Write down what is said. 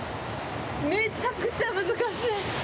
めちゃくちゃ難しい。